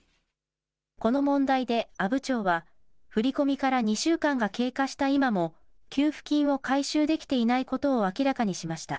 この問題で阿武町は、振り込みから２週間が経過した今も、給付金を回収できていないことを明らかにしました。